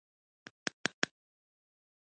مچان د خوب مزه ختموي